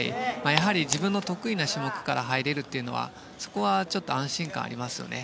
やはり自分の得意な種目から入れるというのはそこは安心感がありますよね。